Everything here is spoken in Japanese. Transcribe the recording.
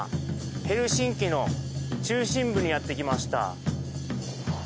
ヘルシンキの中心部にやって来ました